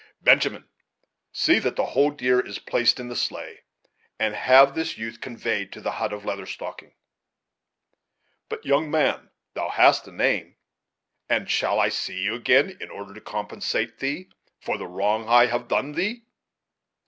"Benjamin, see that the whole deer is placed in the sleigh; and have this youth conveyed to the hut of Leather Stocking. But, young man thou hast a name, and I shall see you again, in order to compensate thee for the wrong I have done thee?"